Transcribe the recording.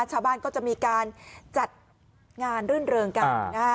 ชาวบ้านก็จะมีการจัดงานเรื่องกัน